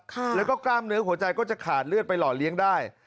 แล้วก็กล้ามเนื้อหัวใจก็จะขาดเลือดไปหล่อเลี้ยงได้